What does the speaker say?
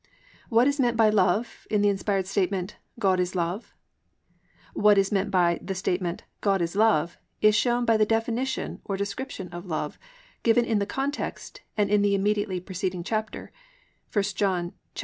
What is meant by "love" in the inspired statement, +"God is Love"+? What is meant by the statement, +"God is Love,"+ is shown by the definition or description of love given in the context and in the immediately preceding chapter—1 John 3:13 18.